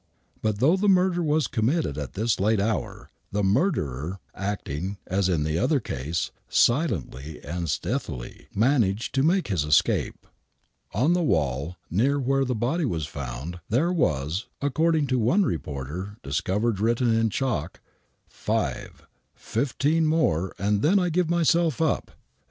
But though the murder was committed at this late hour, the murderer — acting, as in the other case, silently and steathily — managed to make his escape. On the wall near where the body was found, there was, accord ing to one reporter, discovered written in chalk: FIVE: 15 MORE AND THEN I GIVE MYSELF UP.